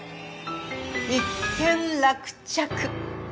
一件落着。